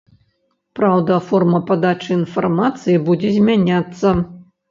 Праўда, форма падачы інфармацыі будзе змяняцца.